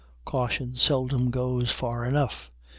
Caution seldom goes far enough.